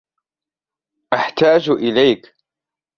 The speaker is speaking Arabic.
أحتاج إليك.